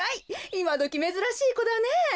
いまどきめずらしいこだねえ。